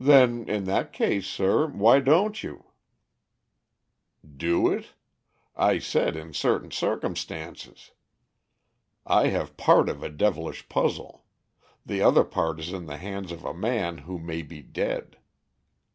"Then, in that case, sir, why don't you?" "Do it? I said in certain circumstances. I have part of a devilish puzzle; the other part is in the hands of a man who may be dead.